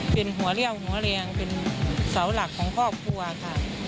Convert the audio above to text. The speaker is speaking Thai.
เป็นหัวเลี่ยวหัวแรงเป็นเสาหลักของครอบครัวค่ะ